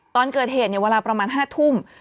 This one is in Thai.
ตอนเกิดเหตุเวลาประมาณ๕ทุ่ม